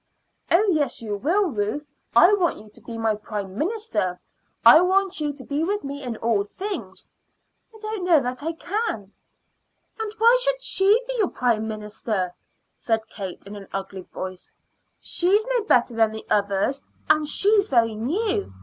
"Oh, yes, you will, Ruth. I want you to be my Prime Minister, I want you to be with me in all things." "I don't know that I can." "And why should she be your Prime Minister?" said Kate in an ugly voice. "She's no better than the others, and she's very new.